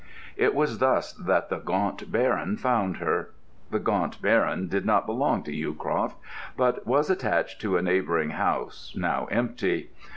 It was thus that the Gaunt Baron found her. The Gaunt Baron did not belong to Yewcroft, but was attached to a neighbouring house, now empty.